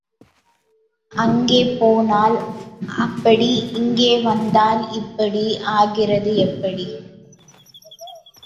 அங்கே போனால் அப்படி இங்கே வந்தால் இப்படி ஆகிறது எப்படி?